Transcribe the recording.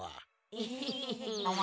ヘヘヘヘ。